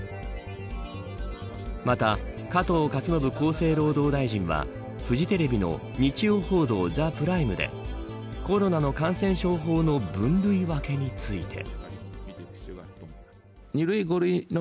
また、加藤勝信厚生労働大臣はフジテレビの日曜報道ＴＨＥＰＲＩＭＥでコロナの感染症法の分類分けについて。